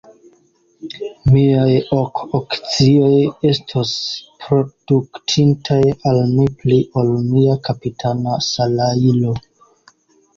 Miaj ok akcioj estos produktintaj al mi pli ol mia kapitana salajro.